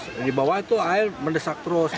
di bawah itu air mendesak terus